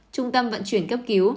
trung tâm vận chuyển cấp cứu